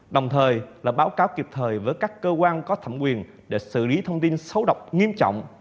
đồng thời là báo cáo kịp thời với các cơ quan có thẩm quyền để xử lý thông tin xấu độc nghiêm trọng